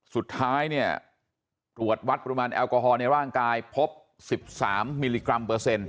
สุดท้ายเนี่ยตรวจวัดปริมาณแอลกอฮอลในร่างกายพบ๑๓มิลลิกรัมเปอร์เซ็นต